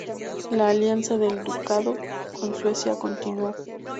La alianza del ducado con Suecia continuó.